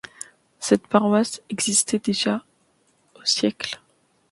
Cette paroisse existait déjà au siècle.